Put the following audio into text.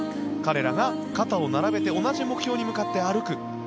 彼らが肩を並べて同じ目標に向かって歩く